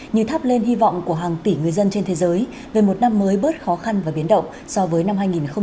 như thắp lên hy vọng của hàng tỷ người dân trên thế giới về một năm mới bớt khó khăn và biến động so với năm hai nghìn một mươi tám